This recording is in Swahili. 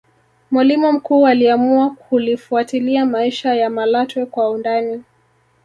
mwalimu mkuu aliamua kulifuatilia maisha ya malatwe kwa undani